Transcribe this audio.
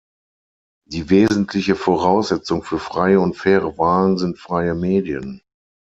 Die wesentliche Voraussetzung für freie und faire Wahlen sind freie Medien.